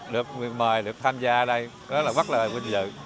được mời được tham gia ở đây rất là vất lời vinh dự